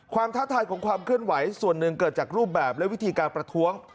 ท้าทายของความเคลื่อนไหวส่วนหนึ่งเกิดจากรูปแบบและวิธีการประท้วง